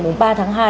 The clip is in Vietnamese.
mùng ba tháng hai